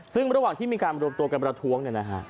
ซึ่งระหว่างที่มีการรวมตัวกันประท้วง